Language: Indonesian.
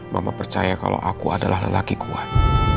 mama percaya kalau aku adalah laki laki yang kuat